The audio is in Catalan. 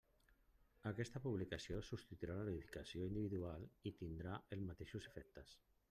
Aquesta publicació substituirà la notificació individual i tindrà els mateixos efectes.